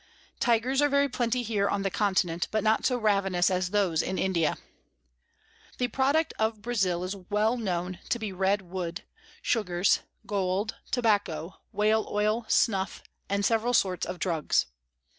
Tygers are very plenty here on the Continent, but not so ravenous as those in India. The Product of Brazile is well known to be Red Wood, Sugars, Gold, Tobacco, Whale Oil, Snuff, and several sorts of Drugs.